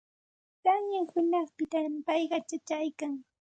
Qayna hunanpitam payqa achachaykan.